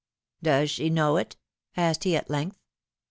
^^Does she know it?^' asked he at length.